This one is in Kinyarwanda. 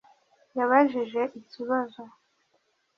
yabajije ikibazo